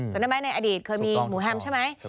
เหรอนะสมมติในอดีตเคยมีหมูแฮมส์ใช่ไหม